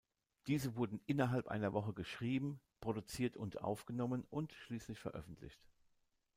Diese wurde innerhalb einer Woche geschrieben, produziert und aufgenommen und schließlich veröffentlicht.